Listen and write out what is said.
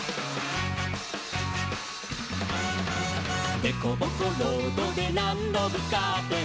「でこぼこロードでなんどぶつかっても」